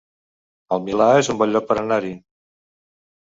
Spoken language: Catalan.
El Milà es un bon lloc per anar-hi